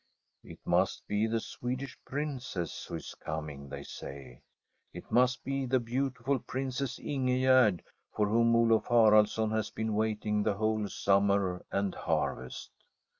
' It must be the Swedish Princess who is com ing,' they say. ' It must be the beautiful Princess Ingegerd, for whom Olaf Haraldsson has been waiting the whole summer and harvest.'